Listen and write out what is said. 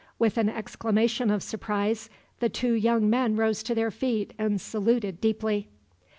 With an exclamation of surprise, the two young men rose to their feet and saluted deeply.